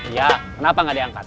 iya kenapa gak diangkat